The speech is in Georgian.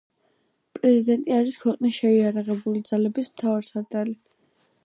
პრეზიდენტი არის ქვეყნის შეიარაღებული ძალების მთავარსარდალი.